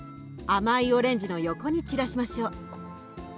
甘いオレンジの横に散らしましょう。